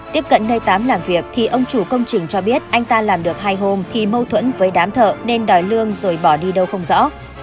tiếp cận nơi tám làm việc thì ông chủ công trình cho biết anh ta làm được hai hôm thì mâu thuẫn với đám thợ nên đòi lương rồi bỏ đi đâu không rõ